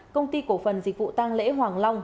công ty cổ phần dịch vụ tăng lễ hoàng long